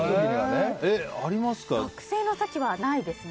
学生の時はないですね。